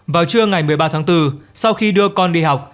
vào trưa ngày một mươi ba tháng bốn sau khi đưa con đi học